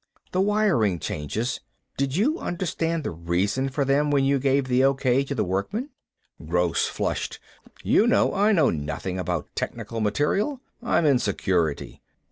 "The wiring changes. Did you understand the reason for them when you gave the okay to the workmen?" Gross flushed. "You know I know nothing about technical material. I'm in Security."